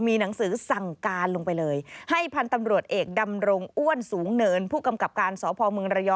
มีหนังสือสั่งการลงไปเลย